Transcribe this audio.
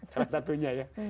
salah satunya ya